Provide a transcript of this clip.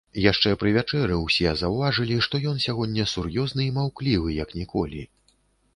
Яшчэ пры вячэры ўсе заўважылі, што ён сягоння сур'ёзны і маўклівы, як ніколі.